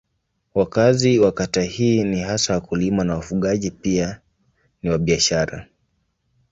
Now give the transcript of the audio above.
Wakazi wa kata hii ni hasa wakulima na wafugaji pia ni wafanyabiashara.